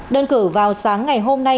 đơn cử vào sáng ngày hôm nay